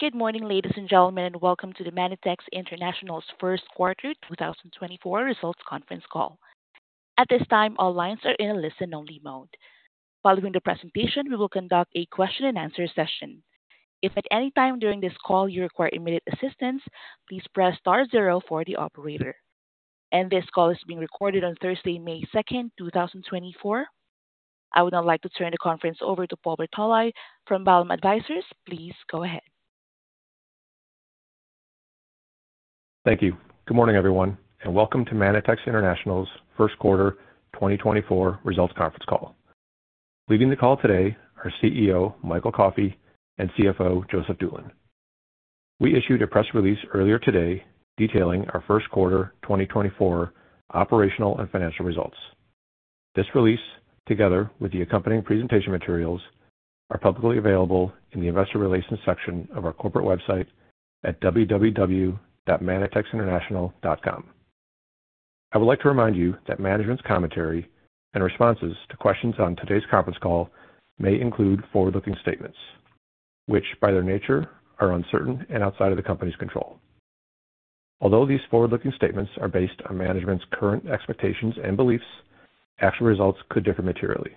Good morning, ladies and gentlemen, and welcome to the Manitex International's first quarter 2024 results conference call. At this time, all lines are in a listen-only mode. Following the presentation, we will conduct a question and answer session. If at any time during this call you require immediate assistance, please press star zero for the operator. This call is being recorded on Thursday, May 2, 2024. I would now like to turn the conference over to Paul Bartolai from Vallum Advisors. Please go ahead. Thank you. Good morning, everyone, and welcome to Manitex International's first quarter 2024 results conference call. Leading the call today are CEO Michael Coffey and CFO Joseph Doolin. We issued a press release earlier today detailing our first quarter 2024 operational and financial results. This release, together with the accompanying presentation materials, are publicly available in the investor relations section of our corporate website at www.manitexinternational.com. I would like to remind you that management's commentary and responses to questions on today's conference call may include forward-looking statements, which, by their nature, are uncertain and outside of the company's control. Although these forward-looking statements are based on management's current expectations and beliefs, actual results could differ materially.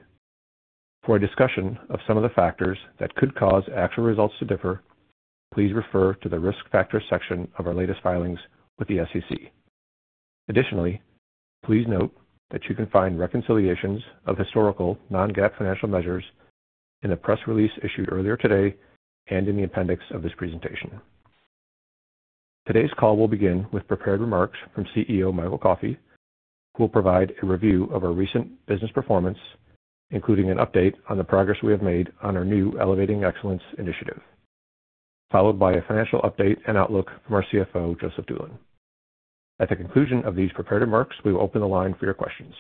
For a discussion of some of the factors that could cause actual results to differ, please refer to the Risk Factors section of our latest filings with the SEC. Additionally, please note that you can find reconciliations of historical non-GAAP financial measures in the press release issued earlier today and in the appendix of this presentation. Today's call will begin with prepared remarks from CEO Michael Coffey, who will provide a review of our recent business performance, including an update on the progress we have made on our new Elevating Excellence initiative, followed by a financial update and outlook from our CFO, Joseph Doolin. At the conclusion of these prepared remarks, we will open the line for your questions.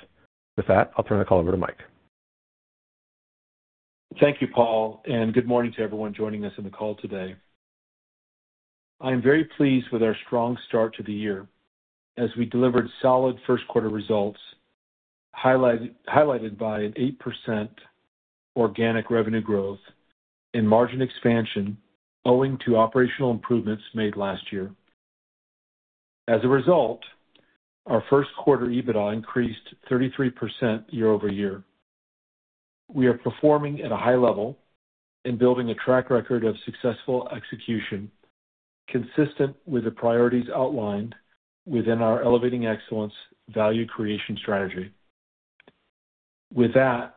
With that, I'll turn the call over to Mike. Thank you, Paul, and good morning to everyone joining us on the call today. I am very pleased with our strong start to the year as we delivered solid first quarter results, highlighted by an 8% organic revenue growth and margin expansion owing to operational improvements made last year. As a result, our first quarter EBITDA increased 33% year-over-year. We are performing at a high level and building a track record of successful execution, consistent with the priorities outlined within our Elevating Excellence value creation strategy. With that,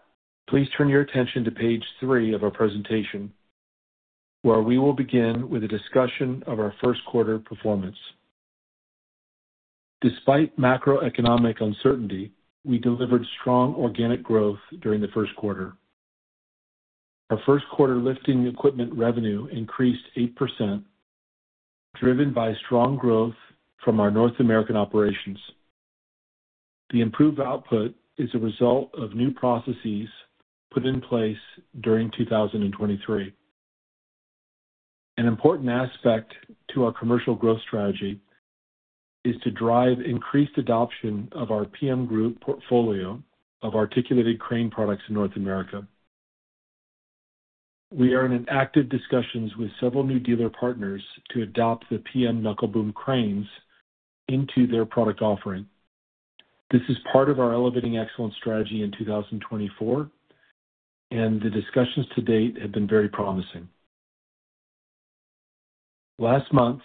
please turn your attention to page 3 of our presentation, where we will begin with a discussion of our first quarter performance. Despite macroeconomic uncertainty, we delivered strong organic growth during the first quarter. Our first quarter lifting equipment revenue increased 8%, driven by strong growth from our North American operations. The improved output is a result of new processes put in place during 2023. An important aspect to our commercial growth strategy is to drive increased adoption of our PM Group portfolio of articulated crane products in North America. We are in active discussions with several new dealer partners to adopt the PM knuckle boom cranes into their product offering. This is part of our Elevating Excellence strategy in 2024, and the discussions to date have been very promising. Last month,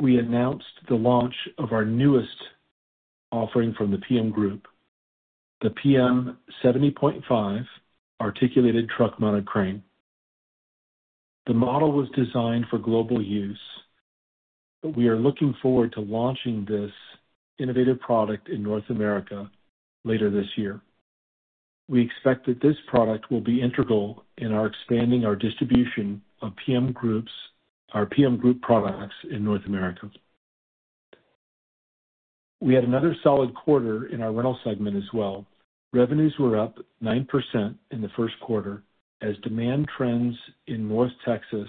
we announced the launch of our newest offering from the PM Group, the PM 70.5 articulated truck-mounted crane. The model was designed for global use, but we are looking forward to launching this innovative product in North America later this year. We expect that this product will be integral in our expanding our distribution of our PM Group products in North America. We had another solid quarter in our rental segment as well. Revenues were up 9% in the first quarter as demand trends in North Texas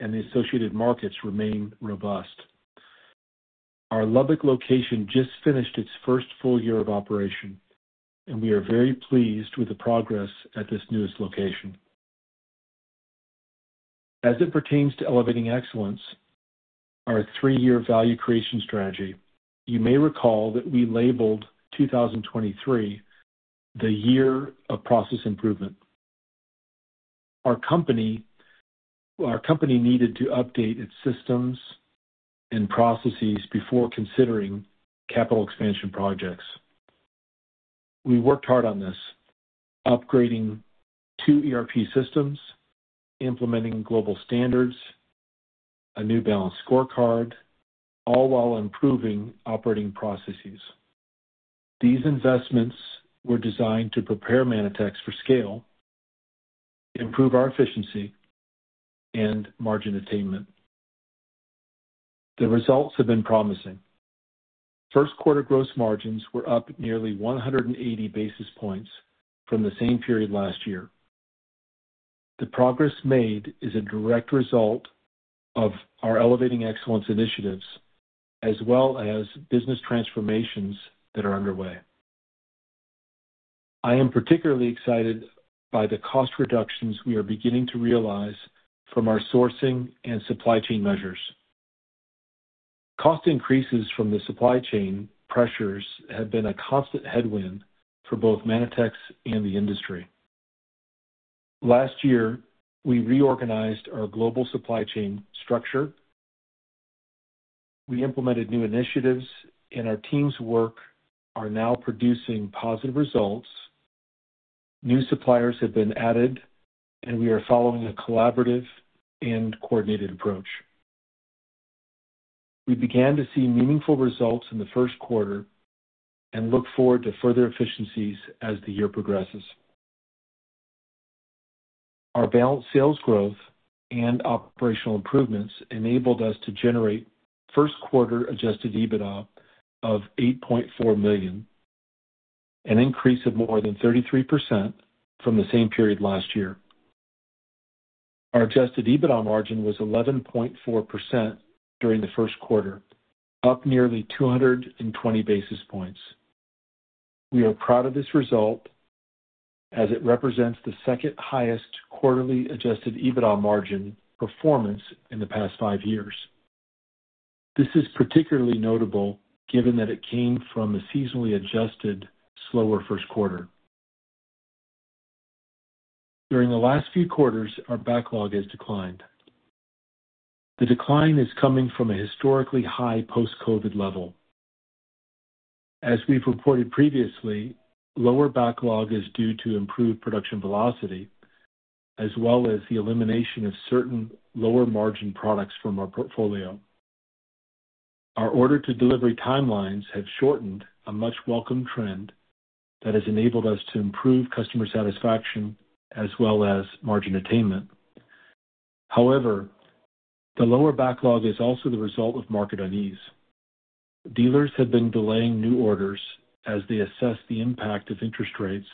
and the associated markets remained robust. Our Lubbock location just finished its first full year of operation, and we are very pleased with the progress at this newest location. As it pertains to Elevating Excellence, our three-year value creation strategy, you may recall that we labeled 2023 the Year of Process Improvement. Our company, our company needed to update its systems and processes before considering capital expansion projects. We worked hard on this, upgrading two ERP systems, implementing global standards, a new balanced scorecard, all while improving operating processes. These investments were designed to prepare Manitex for scale, improve our efficiency and margin attainment. The results have been promising. First quarter gross margins were up nearly 180 basis points from the same period last year. The progress made is a direct result of our Elevating Excellence initiatives, as well as business transformations that are underway. I am particularly excited by the cost reductions we are beginning to realize from our sourcing and supply chain measures. Cost increases from the supply chain pressures have been a constant headwind for both Manitex and the industry. Last year, we reorganized our global supply chain structure. We implemented new initiatives, and our team's work are now producing positive results. New suppliers have been added, and we are following a collaborative and coordinated approach. We began to see meaningful results in the first quarter and look forward to further efficiencies as the year progresses. Our balanced sales growth and operational improvements enabled us to generate first quarter adjusted EBITDA of $8.4 million, an increase of more than 33% from the same period last year. Our adjusted EBITDA margin was 11.4% during the first quarter, up nearly 220 basis points. We are proud of this result, as it represents the second-highest quarterly adjusted EBITDA margin performance in the past 5 years. This is particularly notable, given that it came from a seasonally adjusted, slower first quarter. During the last few quarters, our backlog has declined. The decline is coming from a historically high post-COVID level. As we've reported previously, lower backlog is due to improved production velocity, as well as the elimination of certain lower-margin products from our portfolio. Our order-to-delivery timelines have shortened, a much-welcome trend that has enabled us to improve customer satisfaction as well as margin attainment. However, the lower backlog is also the result of market unease. Dealers have been delaying new orders as they assess the impact of interest rates,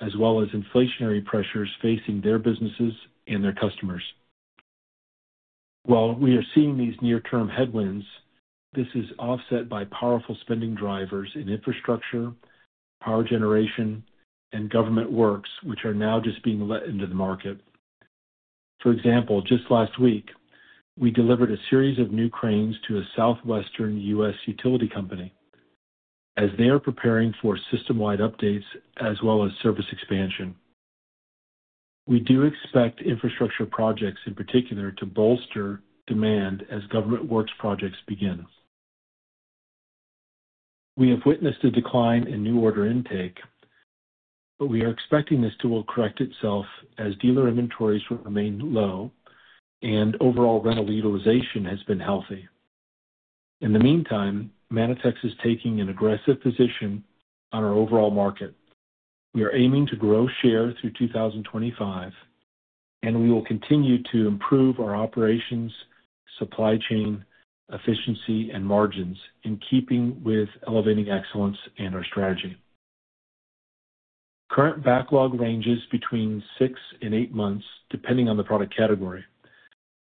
as well as inflationary pressures facing their businesses and their customers. While we are seeing these near-term headwinds, this is offset by powerful spending drivers in infrastructure, power generation, and government works, which are now just being let into the market. For example, just last week, we delivered a series of new cranes to a Southwestern U.S. utility company, as they are preparing for system-wide updates as well as service expansion. We do expect infrastructure projects, in particular, to bolster demand as government works projects begin. We have witnessed a decline in new order intake, but we are expecting this to correct itself as dealer inventories will remain low and overall rental utilization has been healthy. In the meantime, Manitex is taking an aggressive position on our overall market. We are aiming to grow share through 2025, and we will continue to improve our operations, supply chain, efficiency, and margins in keeping with Elevating Excellence and our strategy. Current backlog ranges between 6-8 months, depending on the product category.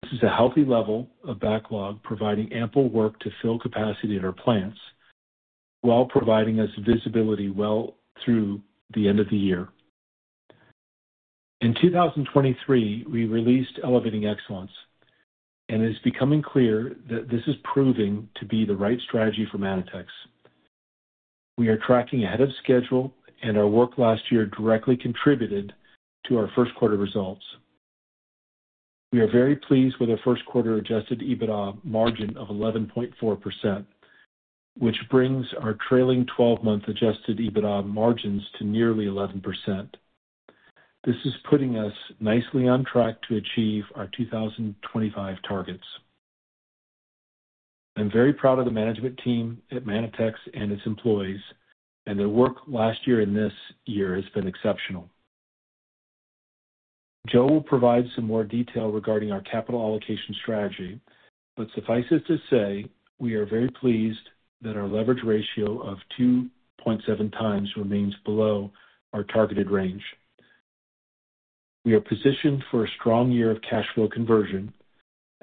This is a healthy level of backlog, providing ample work to fill capacity at our plants, while providing us visibility well through the end of the year. In 2023, we released Elevating Excellence, and it's becoming clear that this is proving to be the right strategy for Manitex. We are tracking ahead of schedule, and our work last year directly contributed to our first quarter results. We are very pleased with our first quarter Adjusted EBITDA margin of 11.4%, which brings our trailing twelve-month Adjusted EBITDA margins to nearly 11%. This is putting us nicely on track to achieve our 2025 targets. I'm very proud of the management team at Manitex and its employees, and their work last year and this year has been exceptional. Joe will provide some more detail regarding our capital allocation strategy, but suffice it to say, we are very pleased that our leverage ratio of 2.7 times remains below our targeted range. We are positioned for a strong year of cash flow conversion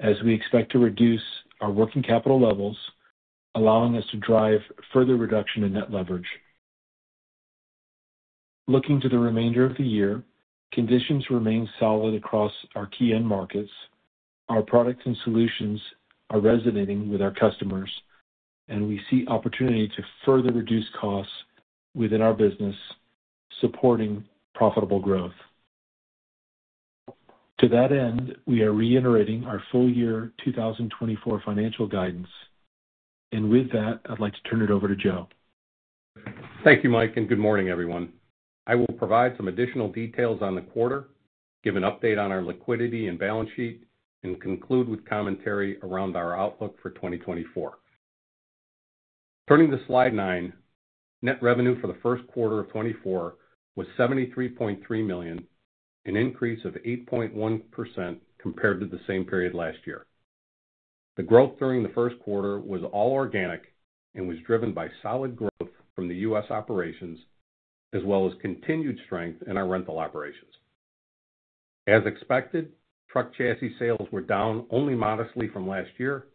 as we expect to reduce our working capital levels, allowing us to drive further reduction in net leverage. Looking to the remainder of the year, conditions remain solid across our key end markets. Our products and solutions are resonating with our customers, and we see opportunity to further reduce costs within our business, supporting profitable growth. To that end, we are reiterating our full year 2024 financial guidance. With that, I'd like to turn it over to Joe. Thank you, Mike, and good morning, everyone. I will provide some additional details on the quarter, give an update on our liquidity and balance sheet, and conclude with commentary around our outlook for 2024. Turning to slide 9. Net revenue for the first quarter of 2024 was $73.3 million, an increase of 8.1% compared to the same period last year. The growth during the first quarter was all organic and was driven by solid growth from the U.S. operations, as well as continued strength in our rental operations. As expected, truck chassis sales were down only modestly from last year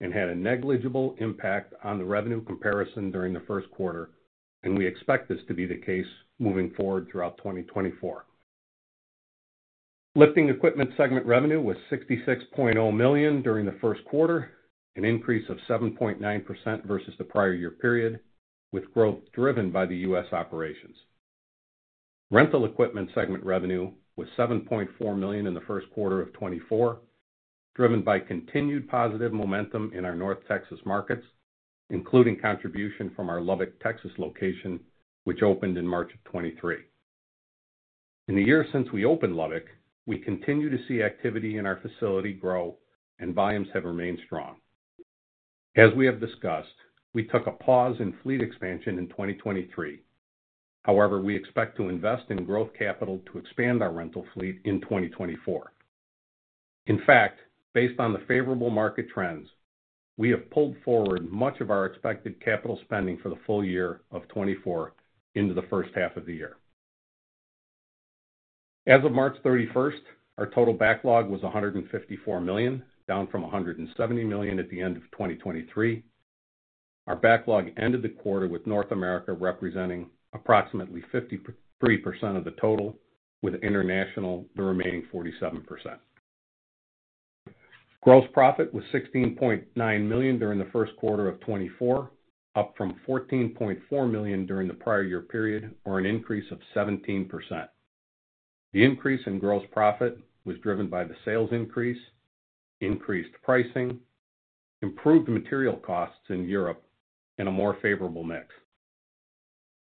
and had a negligible impact on the revenue comparison during the first quarter, and we expect this to be the case moving forward throughout 2024. Lifting Equipment segment revenue was $66.0 million during the first quarter, an increase of 7.9% versus the prior year period, with growth driven by the U.S. operations. Rental Equipment segment revenue was $7.4 million in the first quarter of 2024, driven by continued positive momentum in our North Texas markets, including contribution from our Lubbock, Texas, location, which opened in March of 2023. In the year since we opened Lubbock, we continue to see activity in our facility grow, and volumes have remained strong. As we have discussed, we took a pause in fleet expansion in 2023. However, we expect to invest in growth capital to expand our rental fleet in 2024. In fact, based on the favorable market trends, we have pulled forward much of our expected capital spending for the full year of 2024 into the first half of the year. As of March 31, our total backlog was $154 million, down from $170 million at the end of 2023. Our backlog ended the quarter, with North America representing approximately 53% of the total, with international the remaining 47%. Gross profit was $16.9 million during the first quarter of 2024, up from $14.4 million during the prior year period, or an increase of 17%. The increase in gross profit was driven by the sales increase, increased pricing, improved material costs in Europe, and a more favorable mix.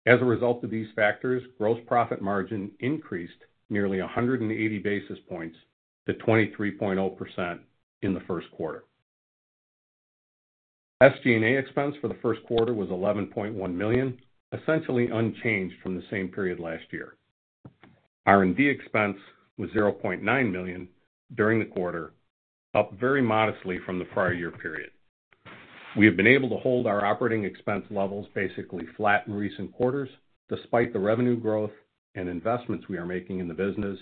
As a result of these factors, gross profit margin increased nearly 180 basis points to 23.0% in the first quarter. SG&A expense for the first quarter was $11.1 million, essentially unchanged from the same period last year. R&D expense was $0.9 million during the quarter, up very modestly from the prior year period. We have been able to hold our operating expense levels basically flat in recent quarters, despite the revenue growth and investments we are making in the business,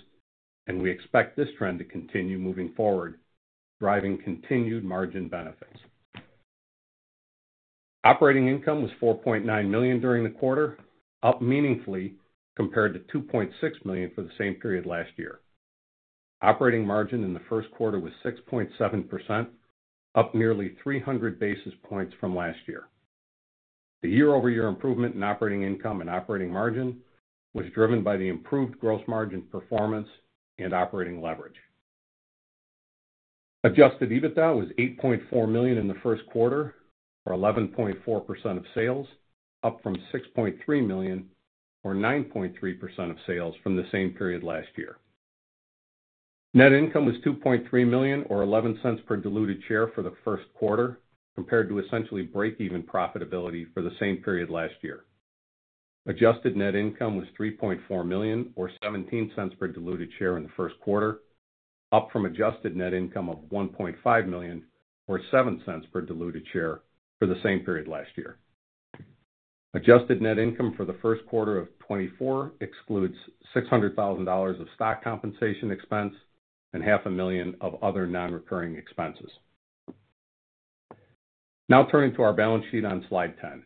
and we expect this trend to continue moving forward, driving continued margin benefits. Operating income was $4.9 million during the quarter, up meaningfully compared to $2.6 million for the same period last year. Operating margin in the first quarter was 6.7%, up nearly 300 basis points from last year. The year-over-year improvement in operating income and operating margin was driven by the improved gross margin performance and operating leverage. Adjusted EBITDA was $8.4 million in the first quarter, or 11.4% of sales, up from $6.3 million, or 9.3% of sales, from the same period last year. Net income was $2.3 million, or $0.11 per diluted share for the first quarter, compared to essentially break-even profitability for the same period last year. Adjusted net income was $3.4 million, or $0.17 per diluted share in the first quarter, up from adjusted net income of $1.5 million, or $0.07 per diluted share for the same period last year. Adjusted net income for the first quarter of 2024 excludes $600,000 of stock compensation expense and $500,000 of other non-recurring expenses. Now turning to our balance sheet on slide 10.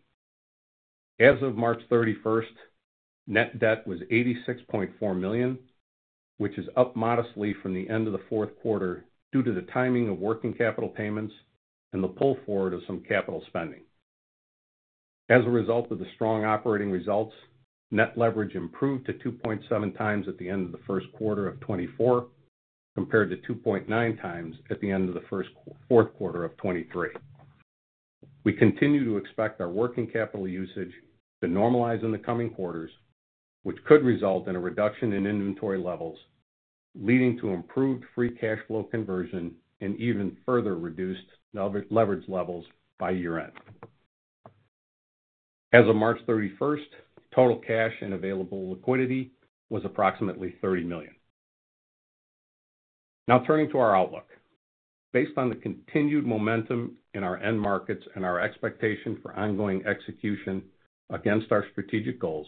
As of March 31, net debt was $86.4 million, which is up modestly from the end of the fourth quarter due to the timing of working capital payments and the pull forward of some capital spending. As a result of the strong operating results, net leverage improved to 2.7 times at the end of the first quarter of 2024, compared to 2.9 times at the end of the fourth quarter of 2023. We continue to expect our working capital usage to normalize in the coming quarters, which could result in a reduction in inventory levels, leading to improved free cash flow conversion and even further reduced leverage levels by year-end. As of March 31, total cash and available liquidity was approximately $30 million. Now turning to our outlook. Based on the continued momentum in our end markets and our expectation for ongoing execution against our strategic goals,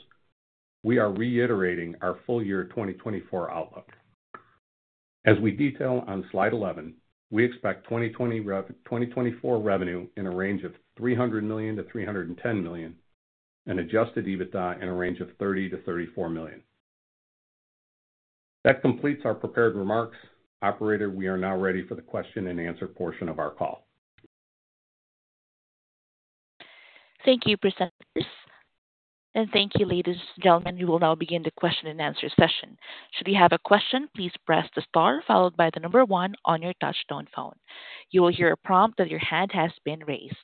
we are reiterating our full-year 2024 outlook. As we detail on slide 11, we expect 2024 revenue in a range of $300 million-$310 million and Adjusted EBITDA in a range of $30 million-$34 million. That completes our prepared remarks. Operator, we are now ready for the question-and-answer portion of our call. Thank you, presenters, and thank you, ladies and gentlemen. We will now begin the question-and-answer session. Should you have a question, please press the star followed by the number one on your touchtone phone. You will hear a prompt that your hand has been raised,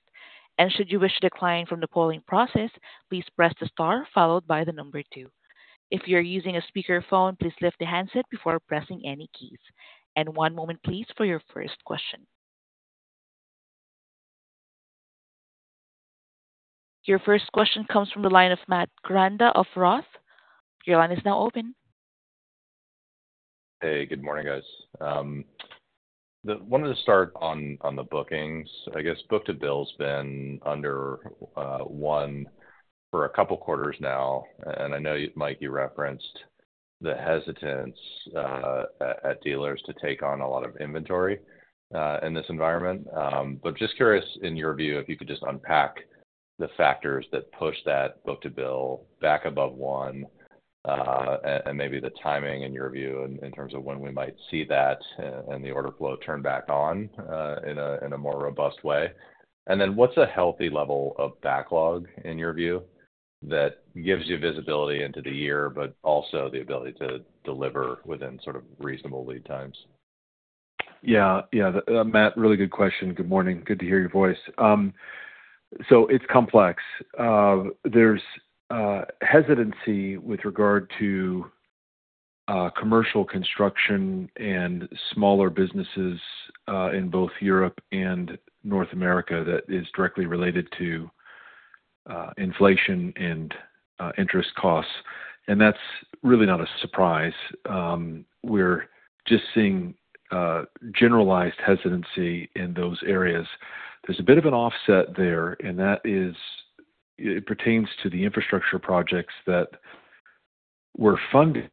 and should you wish to decline from the polling process, please press the star followed by the number two. If you're using a speakerphone, please lift the handset before pressing any keys. And one moment, please, for your first question. Your first question comes from the line of Matt Koranda of Roth MKM. Your line is now open. Hey, good morning, guys. Wanted to start on the bookings. I guess, book-to-bill's been under 1 for a couple quarters now, and I know, Mike, you referenced the hesitance at dealers to take on a lot of inventory in this environment. But just curious, in your view, if you could just unpack the factors that push that book-to-bill back above 1, and maybe the timing in your view in terms of when we might see that, and the order flow turn back on in a more robust way. And then what's a healthy level of backlog, in your view, that gives you visibility into the year, but also the ability to deliver within sort of reasonable lead times? Yeah. Yeah, the, Matt, really good question. Good morning. Good to hear your voice. So it's complex. There's a hesitancy with regard to commercial construction and smaller businesses in both Europe and North America that is directly related to inflation and interest costs, and that's really not a surprise. We're just seeing generalized hesitancy in those areas. There's a bit of an offset there, and that is, it pertains to the infrastructure projects that were funded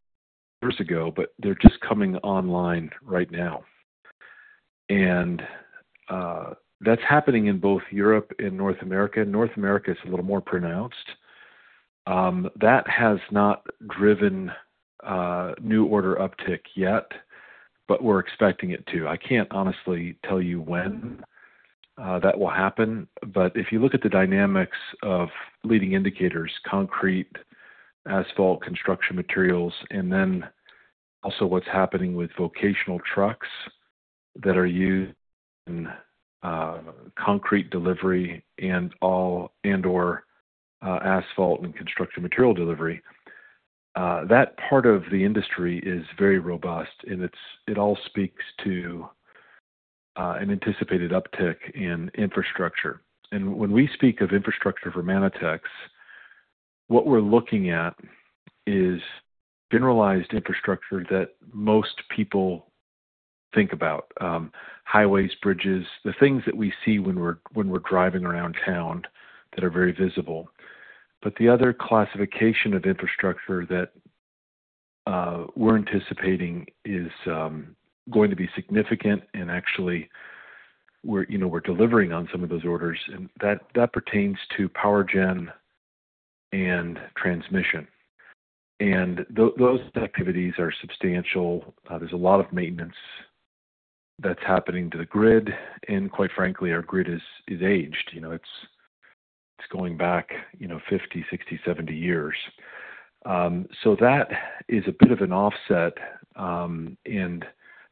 years ago, but they're just coming online right now. And, that's happening in both Europe and North America. North America is a little more pronounced. That has not driven new order uptick yet, but we're expecting it to. I can't honestly tell you when that will happen, but if you look at the dynamics of leading indicators, concrete, asphalt, construction materials, and then also what's happening with vocational trucks that are used in concrete delivery and all, and/or asphalt and construction material delivery, that part of the industry is very robust, and it's- it all speaks to an anticipated uptick in infrastructure. When we speak of infrastructure for Manitex, what we're looking at is generalized infrastructure that most people think about, highways, bridges, the things that we see when we're driving around town that are very visible. But the other classification of infrastructure that we're anticipating is going to be significant, and actually we're, you know, we're delivering on some of those orders, and that pertains to power gen and transmission. Those activities are substantial. There's a lot of maintenance that's happening to the grid, and quite frankly, our grid is aged. You know, it's going back, you know, 50, 60, 70 years. So that is a bit of an offset, and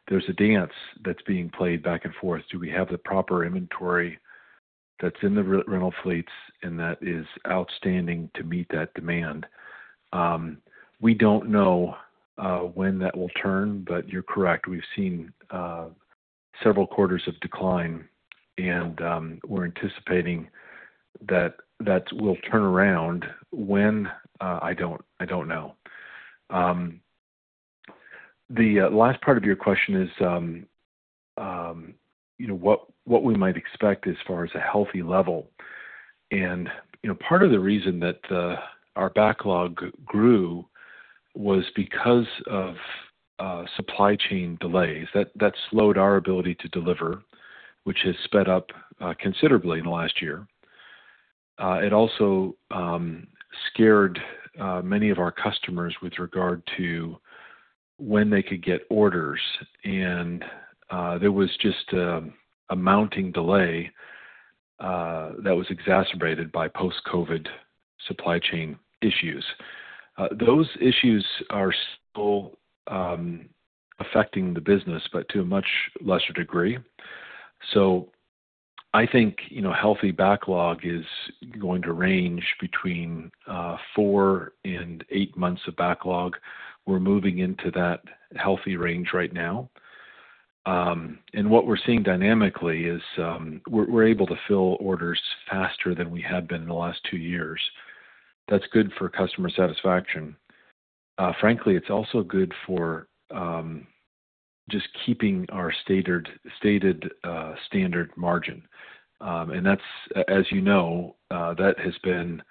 there's a dance that's being played back and forth. Do we have the proper inventory that's in the rental fleets, and that is outstanding to meet that demand? We don't know when that will turn, but you're correct. We've seen several quarters of decline, and we're anticipating that that will turn around. When? I don't know. The last part of your question is, you know, what we might expect as far as a healthy level. You know, part of the reason that our backlog grew was because of supply chain delays. That slowed our ability to deliver, which has sped up considerably in the last year. It also scared many of our customers with regard to when they could get orders, and there was just a mounting delay that was exacerbated by post-COVID supply chain issues. Those issues are still affecting the business, but to a much lesser degree. So I think, you know, healthy backlog is going to range between 4 and 8 months of backlog. We're moving into that healthy range right now. What we're seeing dynamically is we're able to fill orders faster than we had been in the last 2 years. That's good for customer satisfaction. Frankly, it's also good for just keeping our stated standard margin. And that's, as you know, that has been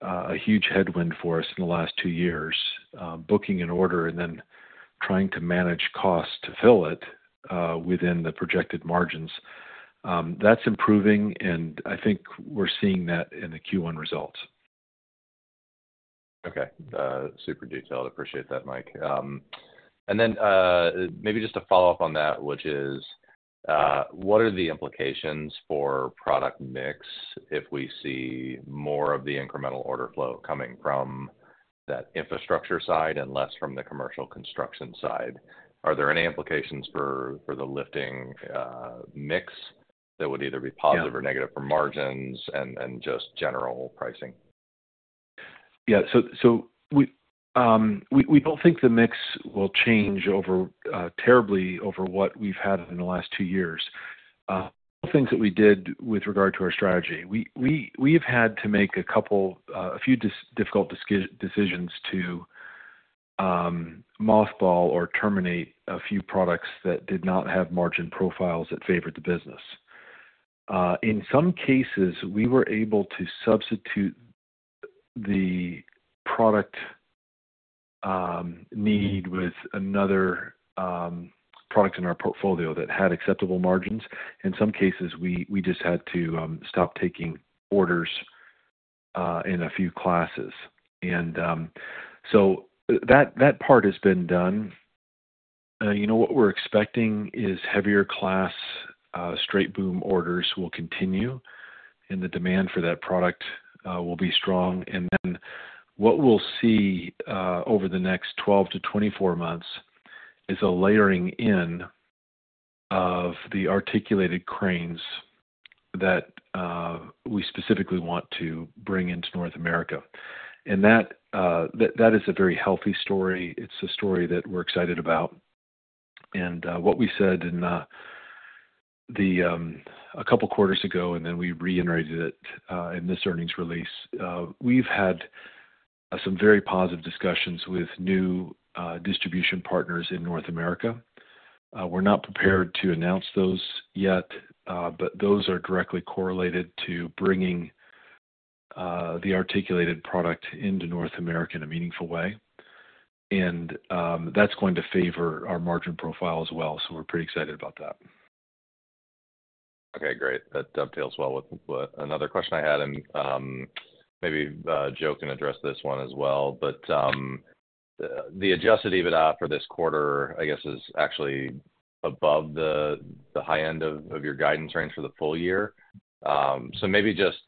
a huge headwind for us in the last two years. Booking an order and then trying to manage costs to fill it within the projected margins, that's improving, and I think we're seeing that in the Q1 results. Okay, super detailed. Appreciate that, Mike. And then, maybe just to follow up on that, which is, what are the implications for product mix if we see more of the incremental order flow coming from that infrastructure side and less from the commercial construction side? Are there any implications for, for the lifting, mix that would either be positive- Yeah... or negative for margins and, and just general pricing? Yeah. So we don't think the mix will change over terribly over what we've had in the last two years. Things that we did with regard to our strategy, we've had to make a few difficult decisions to mothball or terminate a few products that did not have margin profiles that favored the business. In some cases, we were able to substitute the product need with another product in our portfolio that had acceptable margins. In some cases, we just had to stop taking orders in a few classes. So that part has been done. You know, what we're expecting is heavier class straight boom orders will continue, and the demand for that product will be strong. And then what we'll see over the next 12-24 months is a layering in of the articulated cranes that we specifically want to bring into North America. And that is a very healthy story. It's a story that we're excited about. And what we said in a couple quarters ago, and then we reiterated it in this earnings release, we've had some very positive discussions with new distribution partners in North America. We're not prepared to announce those yet, but those are directly correlated to bringing the articulated product into North America in a meaningful way. And that's going to favor our margin profile as well, so we're pretty excited about that. Okay, great. That dovetails well with what another question I had, and maybe Joe can address this one as well. But the adjusted EBITDA for this quarter, I guess, is actually above the high end of your guidance range for the full year. So maybe just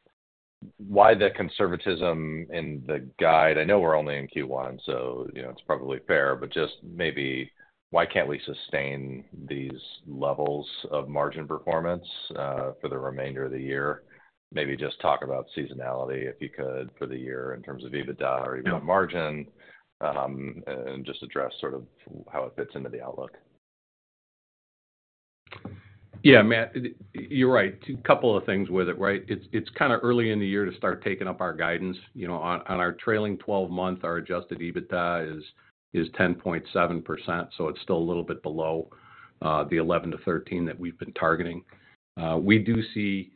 why the conservatism in the guide? I know we're only in Q1, so, you know, it's probably fair, but just maybe why can't we sustain these levels of margin performance for the remainder of the year? Maybe just talk about seasonality, if you could, for the year in terms of EBITDA or EBITDA margin, and just address sort of how it fits into the outlook. Yeah, Matt, you're right. A couple of things with it, right? It's kinda early in the year to start taking up our guidance. You know, our trailing twelve-month, our Adjusted EBITDA is 10.7%, so it's still a little bit below the 11%-13% that we've been targeting. We do see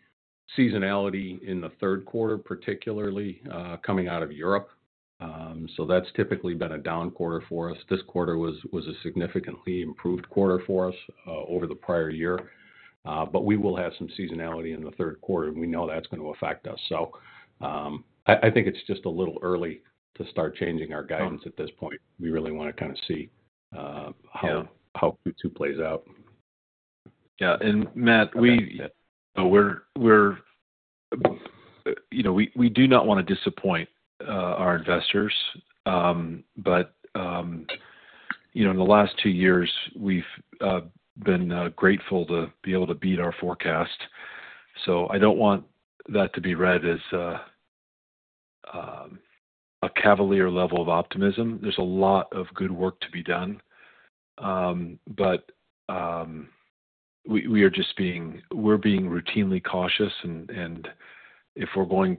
seasonality in the third quarter, particularly coming out of Europe. So that's typically been a down quarter for us. This quarter was a significantly improved quarter for us over the prior year. But we will have some seasonality in the third quarter, and we know that's gonna affect us. So I think it's just a little early to start changing our guidance at this point. We really wanna kind of see Yeah. How Q2 plays out. Yeah, and Matt, we're, you know, we do not wanna disappoint our investors. But, you know, in the last two years, we've been grateful to be able to beat our forecast. So I don't want that to be read as a cavalier level of optimism. There's a lot of good work to be done. But, we're being routinely cautious, and if we're gonna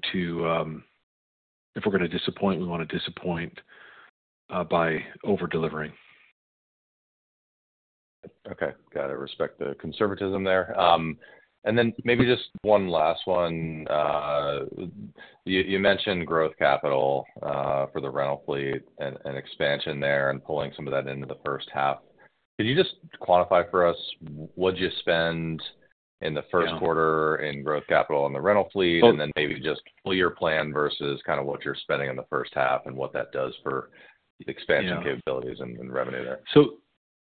disappoint, we wanna disappoint by over-delivering. Okay, got it. Respect the conservatism there. And then maybe just one last one. You mentioned growth capital for the rental fleet and expansion there and pulling some of that into the first half. Could you just quantify for us, what'd you spend in the first quarter- Yeah in growth capital in the rental fleet? Oh- And then maybe just full year plan versus kinda what you're spending in the first half and what that does for the expansion? Yeah capabilities and revenue there.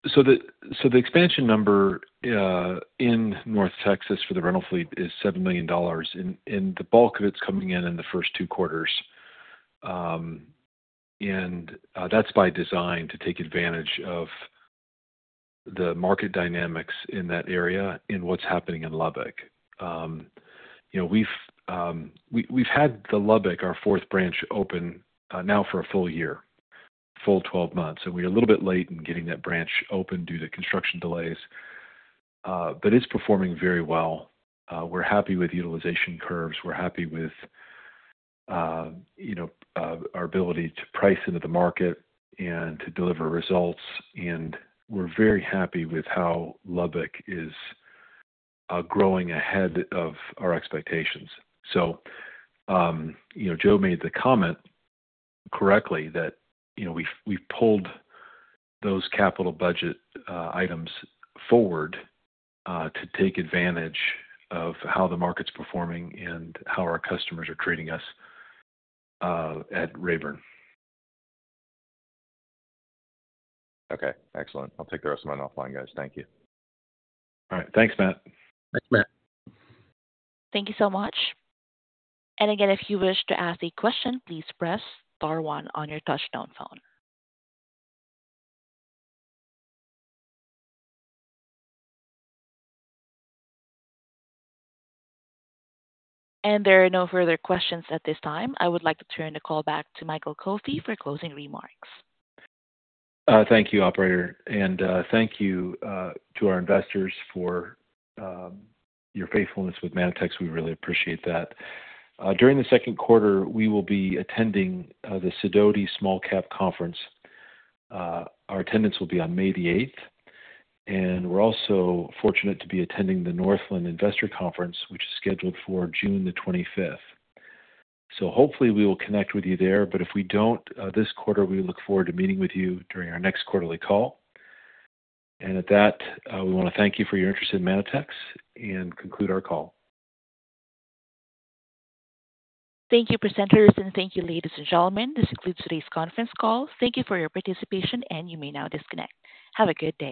So the expansion number in North Texas for the rental fleet is $7 million, and the bulk of it's coming in in the first two quarters. And that's by design to take advantage of the market dynamics in that area and what's happening in Lubbock. You know, we've had the Lubbock, our fourth branch, open now for a full year, 12 months, and we're a little bit late in getting that branch open due to construction delays, but it's performing very well. We're happy with utilization curves, we're happy with, you know, our ability to price into the market and to deliver results, and we're very happy with how Lubbock is growing ahead of our expectations. So, you know, Joe made the comment correctly that, you know, we've pulled those capital budget items forward to take advantage of how the market's performing and how our customers are treating us at Rabern. Okay, excellent. I'll take the rest of mine offline, guys. Thank you. All right. Thanks, Matt. Thanks, Matt. Thank you so much. And again, if you wish to ask a question, please press star one on your touchtone phone. And there are no further questions at this time. I would like to turn the call back to Michael Coffey for closing remarks. Thank you, operator, and thank you to our investors for your faithfulness with Manitex. We really appreciate that. During the second quarter, we will be attending the Sidoti Small Cap Conference. Our attendance will be on May the eighth, and we're also fortunate to be attending the Northland Investor Conference, which is scheduled for June the twenty-fifth. So hopefully, we will connect with you there, but if we don't this quarter, we look forward to meeting with you during our next quarterly call. And at that, we wanna thank you for your interest in Manitex and conclude our call. Thank you, presenters, and thank you, ladies and gentlemen. This concludes today's conference call. Thank you for your participation, and you may now disconnect. Have a good day.